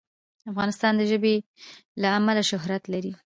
افغانستان د ژبې له امله شهرت لري.